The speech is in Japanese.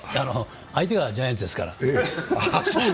相手はジャイアンツですから。